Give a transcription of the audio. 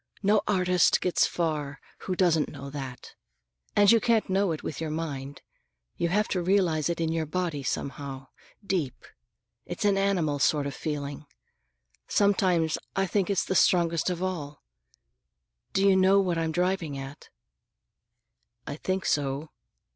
No artist gets far who doesn't know that. And you can't know it with your mind. You have to realize it in your body, somehow; deep. It's an animal sort of feeling. I sometimes think it's the strongest of all. Do you know what I'm driving at?" "I think so.